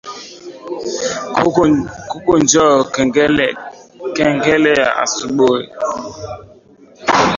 Kuku njo kengele ya asubui